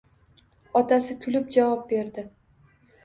Otasi kulib javob berdi